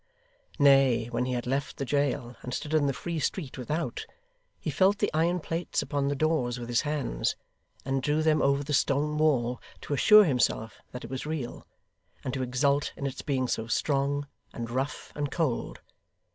Nay, when he had left the jail, and stood in the free street, without, he felt the iron plates upon the doors, with his hands, and drew them over the stone wall, to assure himself that it was real; and to exult in its being so strong, and rough, and cold.